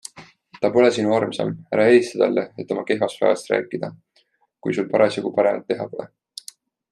Ta pole sinu armsam, ära helista talle, et oma kehvast päevast rääkida, kui sul parasjagu paremat teha pole.